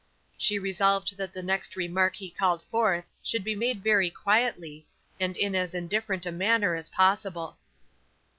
She resolved that the next remark he called forth should be made very quietly, and in as indifferent a manner as possible.